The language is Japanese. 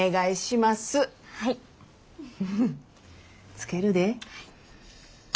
つけるで。